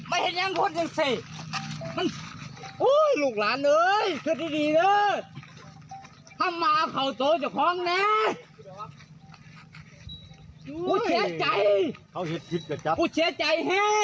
ไม่เผ็ดยังโคตรยังเศรษฐ์มึงอุ้ยลูกหลานเว้ยคือที่ดีเลย